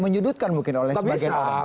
menyudutkan mungkin oleh sebagian orang tak bisa